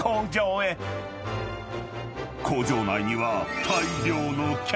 ［工場内には］